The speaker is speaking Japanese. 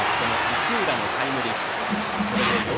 石浦のタイムリーヒット。